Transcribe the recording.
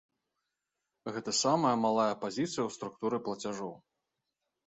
Гэта самая малая пазіцыя ў структуры плацяжоў.